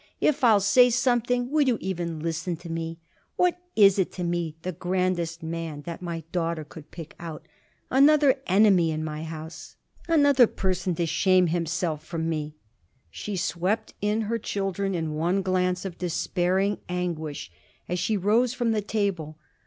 If I'll say something, will you even listen to me? What is to me the grandest man that my daughter could pick out? Another enemy in my house! Another person to shame himself from me!" She swept in her children in one glance of despairing anguish as she rose from the table.